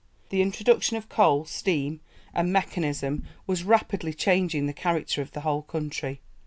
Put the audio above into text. The introduction of coal, steam, and mechanism was rapidly changing the character of the whole country.